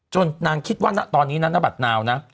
นางคิดว่าณตอนนี้นะนบัตรนาวนะ